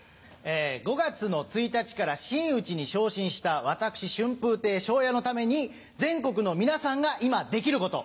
５月１日から真打ちに昇進した私春風亭昇也のために全国の皆さんが今できること。